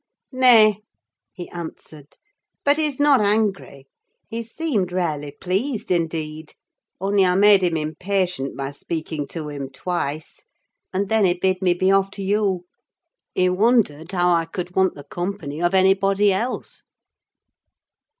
"Nay," he answered; "but he's not angry: he seemed rarely pleased indeed; only I made him impatient by speaking to him twice; and then he bid me be off to you: he wondered how I could want the company of anybody else."